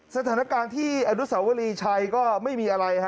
สถานการณ์ที่อนุสาวรีชัยก็ไม่มีอะไรฮะ